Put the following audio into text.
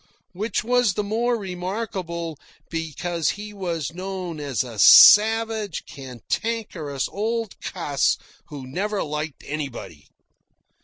Which was the more remarkable, because he was known as a savage, cantankerous old cuss who never liked anybody.